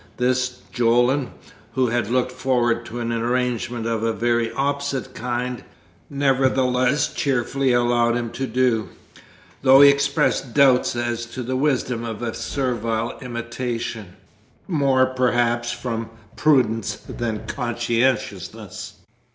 This Jolland (who had looked forward to an arrangement of a very opposite kind) nevertheless cheerfully allowed him to do, though he expressed doubts as to the wisdom of a servile imitation more, perhaps, from prudence than conscientiousness.